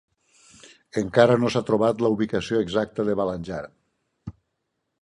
Encara no s'ha trobat la ubicació exacta de Balanjar.